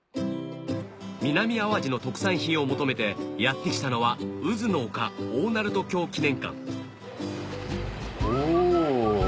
南あわじの特産品を求めてやって来たのはうずの丘大鳴門橋記念館お。